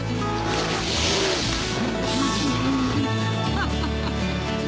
ハハハハハ！